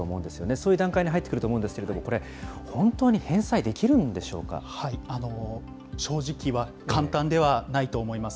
そういう段階に入ってくると思うんですけれども、これ、本当に返正直は簡単ではないと思います。